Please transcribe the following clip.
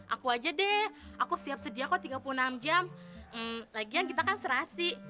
aku aja deh aku siap sedia kok tiga puluh enam jam lagian kita kan serasi